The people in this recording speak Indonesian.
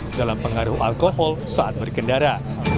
dalam pengaruh alkohol saat berkendara